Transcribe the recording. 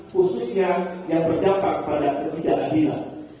khususnya yang berdampak pada kebijakan dia